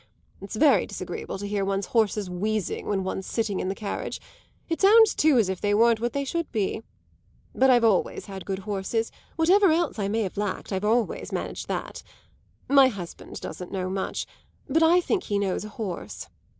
It's very disagreeable to hear one's horses wheezing when one's sitting in the carriage; it sounds too as if they weren't what they should be. But I've always had good horses; whatever else I may have lacked I've always managed that. My husband doesn't know much, but I think he knows a horse.